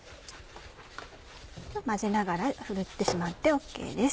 混ぜながらふるってしまってＯＫです。